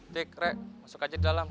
tik rek masuk aja di dalam